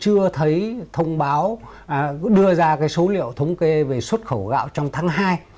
chưa thấy thông báo đưa ra cái số liệu thống kê về xuất khẩu gạo trong tháng hai